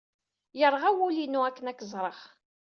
Yerɣa wul-inu akken ad k-ẓreɣ.